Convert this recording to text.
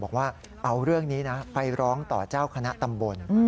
บอกว่าเอาเรื่องนี้นะไปร้องต่อเจ้าคณะตำบล